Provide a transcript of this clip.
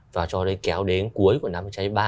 và cho đến kéo đến cuối năm hai nghìn hai mươi ba